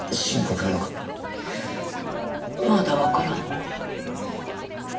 まだわからない。